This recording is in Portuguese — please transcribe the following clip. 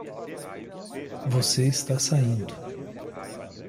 Você está saindo